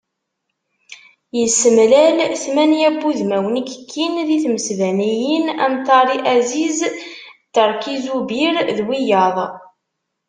Yessemlal tmanya n wudmawen i yekkin di tmesbaniyin am Tari Aziz, Terki Zubir d wiyaḍ.